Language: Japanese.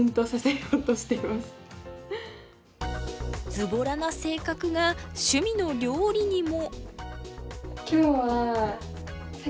ズボラな性格が趣味の料理にも。